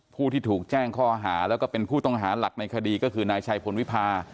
ผู้ที่ถูกแจ้งข้อหาแล้วก็เป็นผู้ต้องหาหลักในคดีก็คือนายชัยพลวิพา